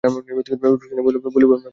রুক্মিণী কহিল, বলিব আর কী।